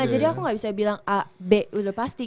jadi aku gak bisa bilang a b udah pasti